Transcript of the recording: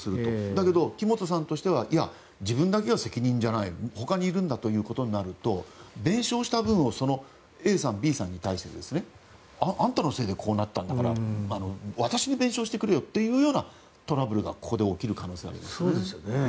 だけど、木本さんとしては自分だけの責任じゃないほかにいるんだということになると弁償した分をＡさん、Ｂさんに対してあんたのせいでこうなったんだから私に弁償してくれよというようなトラブルがここで起きる可能性がありますよね。